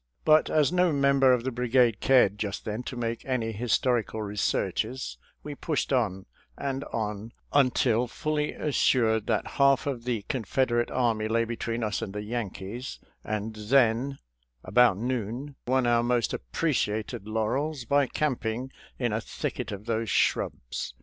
But as no member of the brigade cared just then to make any his torical researches, we pushed on and on until fully assured that half of the Confederate army lay between us and the Yankees, and then — about noon — won our most appreciated laurels by camping in a thicket of those shrubs.